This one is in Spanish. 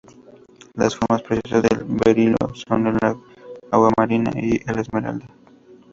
Las formas preciosas del berilo son el aguamarina y la esmeralda.